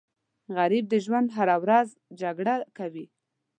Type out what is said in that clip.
غریب د ژوند هره ورځ جګړه کوي